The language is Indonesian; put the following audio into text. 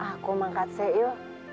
aku mengangkat seil